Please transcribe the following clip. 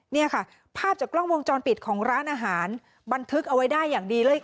นี่ค่ะภาพจากกล้องวงจรปิดของร้านอาหารบันทึกเอาไว้ได้อย่างดีเลย